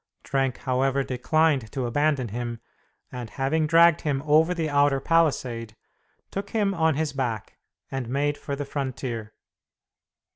Trenck, however, declined to abandon him, and having dragged him over the outer palisade, took him on his back, and made for the frontier.